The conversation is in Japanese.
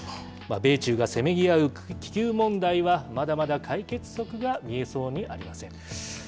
米中がせめぎ合う気球問題は、まだまだ解決策が見えそうにありません。